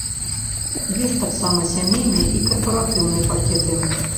Ёсць таксама сямейны і карпаратыўны пакеты.